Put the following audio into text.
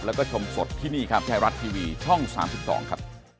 แล้วก็ชมสดที่นี่ครับไทยรัสทีวีช่องสามสิบสองครับ